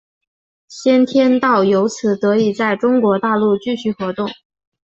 先天道由此得以在中国大陆继续活动。